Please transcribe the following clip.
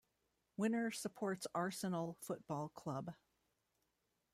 Winner supports Arsenal football club.